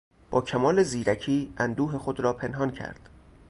با کمال زیرکی اندوه خود را پنهان کرد.